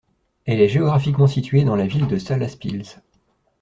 Elle est géographiquement située dans la ville de Salaspils.